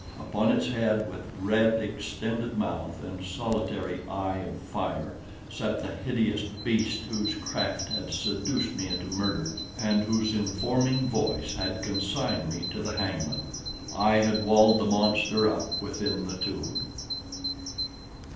Upon its head, with red extended mouth and solitary eye of fire, sat the hideous beast whose craft had seduced me into murder, and whose informing voice had consigned me to the hangman. I had walled the monster up within the tomb!